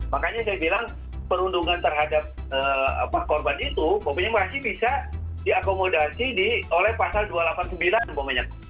makanya saya bilang perundungan terhadap korban itu pokoknya masih bisa diakomodasi oleh pasal dua ratus delapan puluh sembilan umpamanya